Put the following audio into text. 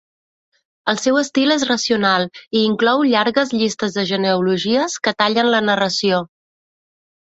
El seu estil és racional i inclou llargues llistes de genealogies que tallen la narració.